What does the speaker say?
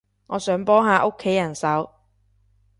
我想幫下屋企手